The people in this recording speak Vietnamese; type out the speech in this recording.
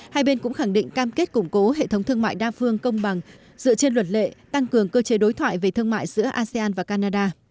hai bên cũng khẳng định cam kết củng cố hệ thống thương mại đa phương công bằng dựa trên luật lệ tăng cường cơ chế đối thoại về thương mại giữa asean và canada